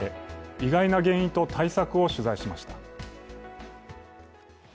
意外な原因と対策を取材しました。